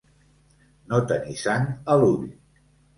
No tenir sang a l'ull.